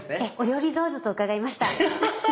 料理上手と伺いました。